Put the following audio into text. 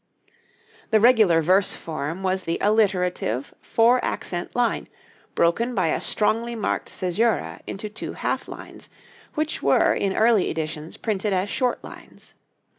The regular verse form was the alliterative, four accent line, broken by a strongly marked cæsura into two half lines, which were in early editions printed as short lines.